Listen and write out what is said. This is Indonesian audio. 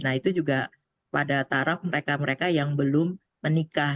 nah itu juga pada taraf mereka mereka yang belum menikah